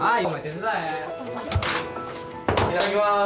いただきます！